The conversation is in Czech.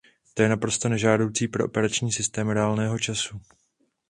To je naprosto nežádoucí pro Operační systém reálného času.